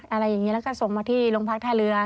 อะไรอย่างนี้แล้วก็ส่งมาที่โรงพักท่าเรือ